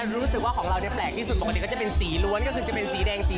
เด็กศิลปากร